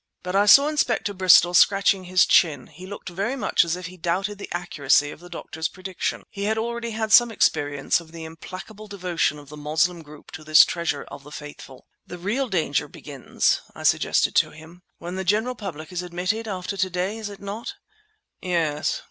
But I saw Inspector Bristol scratching his chin; he looked very much as if he doubted the accuracy of the doctor's prediction. He had already had some experience of the implacable devotion of the Moslem group to this treasure of the Faithful. "The real danger begins," I suggested to him, "when the general public is admitted—after to day, is it not?" "Yes.